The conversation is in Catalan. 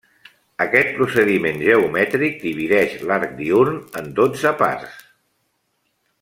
Aquest procediment geomètric divideix l'arc diürn en dotze parts.